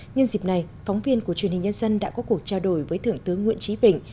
nhân dịp này phóng viên của truyền hình nhân dân đã có cuộc trao đổi với thượng tướng nguyễn trí vịnh